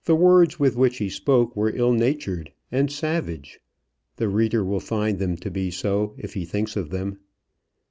The words with which he spoke were ill natured and savage. The reader will find them to be so, if he thinks of them.